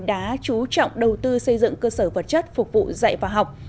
đã chú trọng đầu tư xây dựng cơ sở vật chất phục vụ dạy và học